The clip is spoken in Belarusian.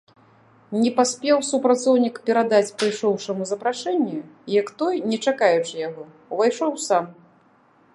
Не паспеў супрацоўнік перадаць прыйшоўшаму запрашэнне, як той, не чакаючы яго, увайшоў сам.